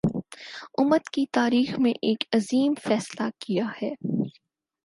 امت کی تاریخ میں ایک عظیم فیصلہ ہے